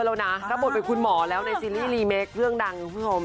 แล้วนะรับบทเป็นคุณหมอแล้วในซีรีส์รีเมคเรื่องดังคุณผู้ชม